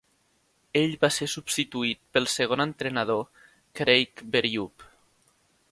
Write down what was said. Ell va ser substituït pel segon entrenador Craig Berube.